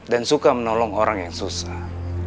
dan suka menolong orang yang susah